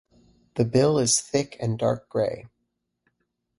The bill is thick and dark grey.